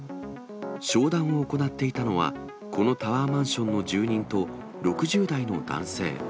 商談を行っていたのは、このタワーマンションの住人と、６０代の男性。